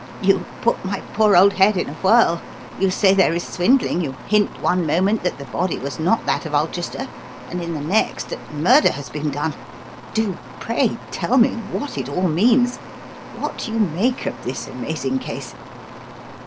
You put my poor old head in a whirl. You say there is swindling; you hint one moment that the body was not that of Ulchester, and in the next that murder has been done. Do, pray, tell me what it all means what you make of this amazing case."